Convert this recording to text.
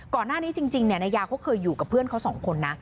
ก่อนหน้านี้จริงนายยาเขาเคยอยู่กับเพื่อนเขาสองคนนะ